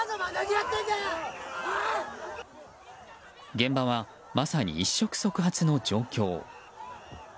現場は、まさに一触即発の状況。